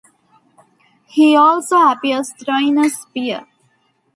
He also appears throwing a spear.